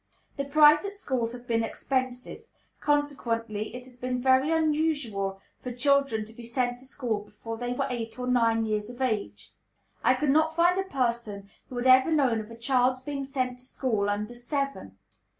The private schools have been expensive, consequently it has been very unusual for children to be sent to school before they were eight or nine years of age; I could not find a person who had ever known of a child's being sent to school _under seven!